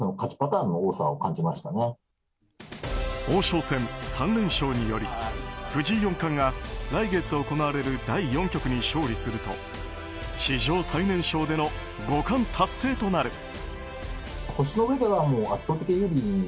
王将戦３連勝により藤井四冠が来月行われる第４局に勝利すると史上最年少での五冠達成となる。